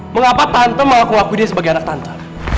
mengapa tante mau aku aku dia sebagai anak tante